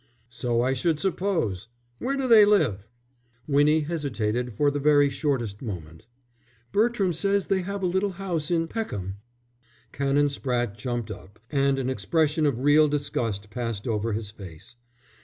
"So I should suppose. Where do they live?" Winnie hesitated for the very shortest moment. "Bertram says they have a little house in Peckham." Canon Spratte jumped up, and an expression of real disgust passed over his face.